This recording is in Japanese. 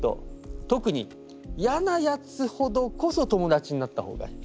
特にやなやつほどこそ友だちになった方がいい。